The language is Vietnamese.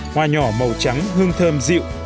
hoa nhỏ màu trắng hương thơm dịu